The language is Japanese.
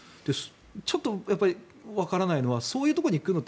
ちょっとわからないのはそういうところに行くのって